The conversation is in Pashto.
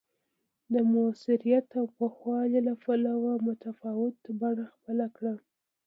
د موثریت او پوخوالي له پلوه متفاوته بڼه خپله کړه